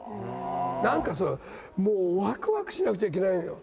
なんかこう、もうわくわくしなくちゃいけないのよ。